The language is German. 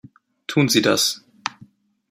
Tun Sie das.